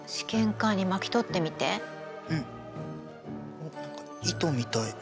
おっ何か糸みたいな。